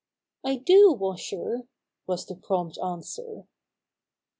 "I do, Washer," was the prompt answer.